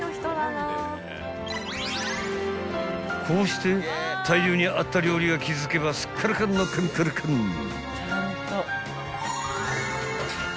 ［こうして大量にあった料理が気付けばすっからかんのかんからかん］